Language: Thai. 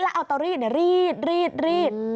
แล้วเอาตัวรีดรีดรีดรีด